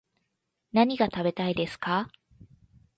何が食べたいですか